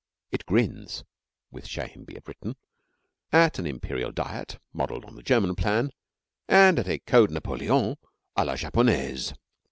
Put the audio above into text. It grins, with shame be it written, at an Imperial Diet modelled on the German plan and a Code Napoléon à la Japonaise.